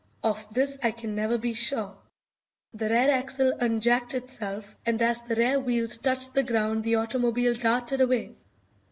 Of this I can never be sure. The rear axle unjacked itself, and as the rear wheels touched the ground the automobile darted away.